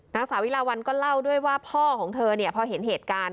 นางสาวิลาวันก็เล่าด้วยว่าพ่อของเธอเนี่ยพอเห็นเหตุการณ์